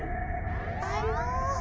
あの。